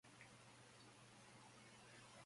Le Mesnil-Gilbert